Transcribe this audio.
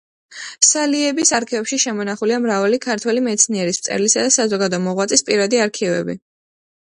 სალიების არქივებში შემონახულია მრავალი ქართველი მეცნიერის, მწერლისა და საზოგადო მოღვაწის პირადი არქივები.